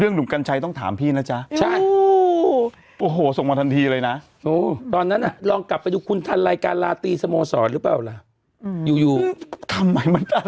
เอาทำหอเต๋าแตกมั้ยโอ๊ยอะไรนะเมืองมายา